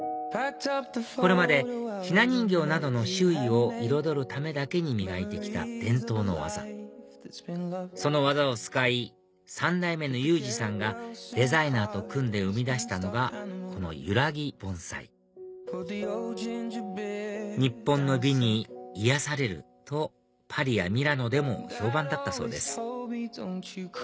これまでひな人形などの周囲を彩るためだけに磨いて来た伝統の技その技を使い３代目の雄二さんがデザイナーと組んで生み出したのがこのゆらぎ盆栽日本の美に癒やされるとパリやミラノでも評判だったそうです